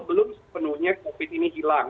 belum sepenuhnya covid sembilan belas ini hilang